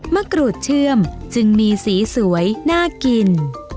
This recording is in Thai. มะกรูดเชื่อมจึงมีสีสวยน่ากิน